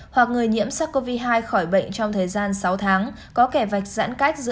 hoặc người nhiễm sars cov hai khỏi bệnh trong thời gian sáu tháng